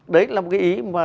đấy là một cái ý mà